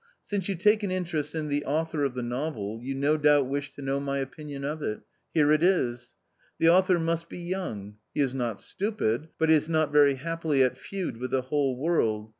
" Since you take an interest in the author of the novel, you no doubt wish to know my opinion of it. Here it is. The author must be young. He is not stupid; but is not very happily at feud with the whole world.